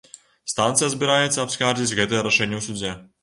Станцыя збіраецца абскардзіць гэта рашэнне ў судзе.